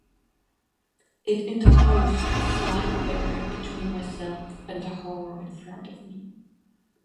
It interposed a slight barrier between myself and the horror in front of me.